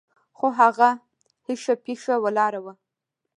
خو هغه هيښه پيښه ولاړه وه.